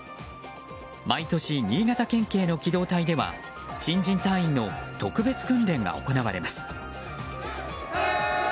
毎年、新潟県警の機動隊では新人隊員の特別訓練が行われます。